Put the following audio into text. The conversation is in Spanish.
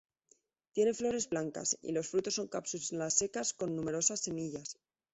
Tiene flores blancas y los frutos son cápsulas secas con numerosas semillas.